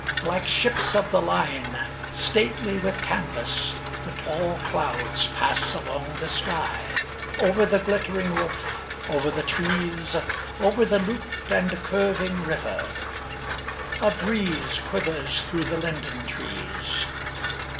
Like ships of the line, stately with canvas, the tall clouds pass along the sky, over the glittering roof, over the trees, over the looped and curving river. A breeze quivers through the linden trees.